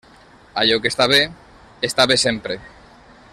Allò que està bé, està bé sempre.